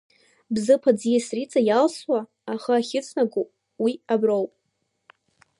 Бзыԥ аӡиас Риҵа иалсуа, ахы ахьыҵнаго уи аброуп.